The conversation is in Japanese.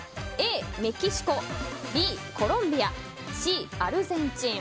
Ａ、メキシコＢ、コロンビアＣ、アルゼンチン。